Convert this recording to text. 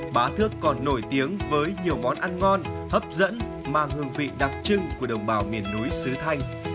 bá thước còn nổi tiếng với nhiều món ăn ngon hấp dẫn mang hương vị đặc trưng của đồng bào miền núi sứ thanh